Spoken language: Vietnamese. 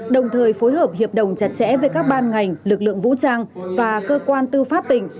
đồng thời phối hợp hiệp đồng chặt chẽ với các ban ngành lực lượng vũ trang và cơ quan tư pháp tỉnh